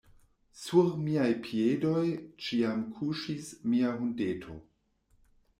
Sur miaj piedoj ĉiam kuŝis mia hundeto.